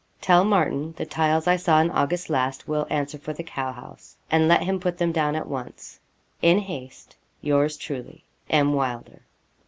Tell Martin the tiles I saw in August last will answer for the cow house; and let him put them down at once. 'In haste, 'Yours truly, 'M. WYLDER.'